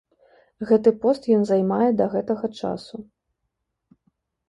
Гэты пост ён займае да гэтага часу.